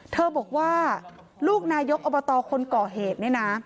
เธอบอกว่าลูกนายยกอบตคนก่อเหตุ